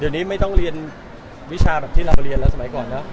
เดี๋ยวนี้ไม่ต้องเรียนวิชาแบบที่เราเรียนแล้วสมัยก่อนแล้ว